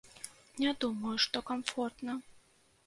Не думаю, што камфортна.